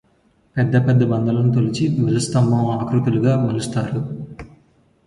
పెద్ద పెద్ద బండలను తొలిచి ధ్వజస్తంభం ఆకృతులుగా మలుస్తారు